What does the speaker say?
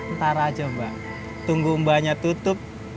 ntar aja mbak tunggu mbaknya tutup